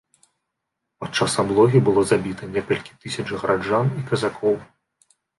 Падчас аблогі было забіта некалькі тысяч гараджан і казакоў.